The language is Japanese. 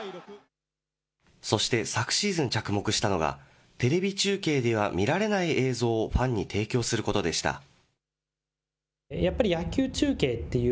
そして昨シーズン着目したのが、テレビ中継では見られない映像を、ファンに提供することでした。